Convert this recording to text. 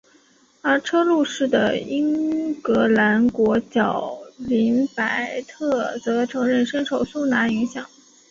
而车路士的英格兰国脚林柏特则承认深受苏拿影响。